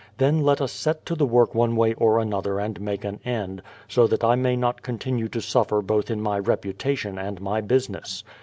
Then let us set to the work one wa}^ or another and make an end, so that I may not continue to suffer both in my reputation and my business.